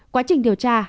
quá trình điều tra